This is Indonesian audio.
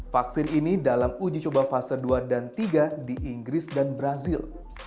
vaksin ini dalam uji coba fase dua dan tiga di inggris dan brazil